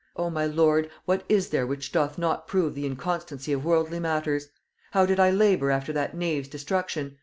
O! my lord, what is there which doth not prove the inconstancy of worldly matters! How did I labor after that knave's destruction!